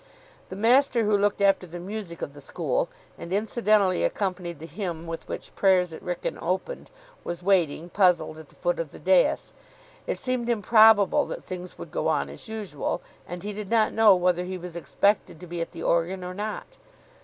The master who looked after the music of the school, and incidentally accompanied the hymn with which prayers at Wrykyn opened, was waiting, puzzled, at the foot of the dais. It seemed improbable that things would go on as usual, and he did not know whether he was expected to be at the organ, or not.